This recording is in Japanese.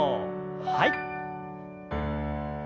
はい。